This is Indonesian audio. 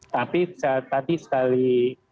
tapi tadi sekali